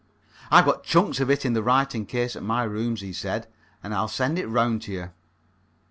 "I've got chunks of it in a writing case at my rooms," he said, "and I'll send it round to you."